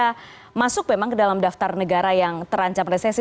mereka masuk memang ke dalam daftar negara yang terancam resesi